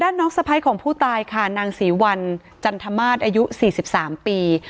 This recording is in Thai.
ด้านนอกสภัยของผู้ตายค่ะนางศรีวรรณจันทรมาศอายุ๔๓ปี